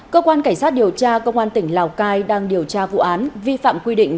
cơ quan cảnh sát điều tra công an tỉnh lào cai đang điều tra vụ án vi phạm quy định